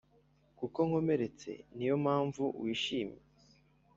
kuko nkomeretse niyo manpamvu wishyimye